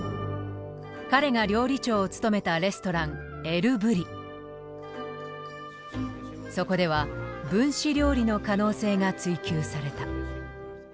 彼が料理長を務めたレストランそこでは分子料理の可能性が追求された。